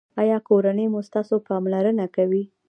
ایا کورنۍ مو ستاسو پاملرنه کوي؟